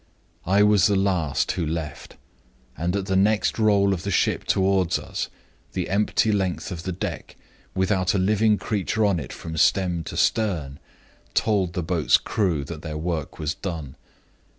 I was the last who left; and, at the next roll of the ship toward us, the empty length of the deck, without a living creature on it from stem to stern, told the boat's crew that their work was done.